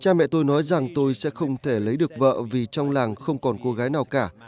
cha mẹ tôi nói rằng tôi sẽ không thể lấy được vợ vì trong làng không còn cô gái nào cả